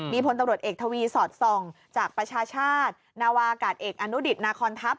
มีพลตำรวจเอกทวีสอดส่องจากประชาชาตินาวากาศเอกอนุดิตนาคอนทัพ